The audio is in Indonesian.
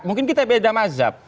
mungkin kita beda mazhab